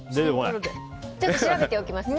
調べておきます。